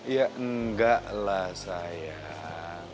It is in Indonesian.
ya enggak lah sayang